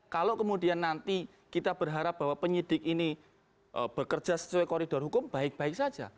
kalau kemudian nanti kita berharap bahwa penyidik ini bekerja sesuai koridor hukum baik baik saja